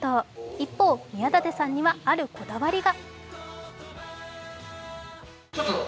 一方、宮舘さんにはあるこだわりが。